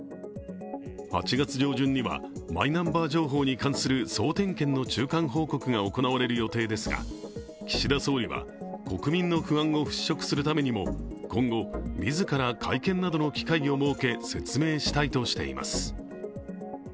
８月上旬にはマイナンバー情報に関する総点検の中間報告が行われる予定ですが岸田総理は国民の不安を払拭するためにも今後、自ら会見などの機会を設け、説明したいとしています。